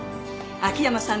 秋山さん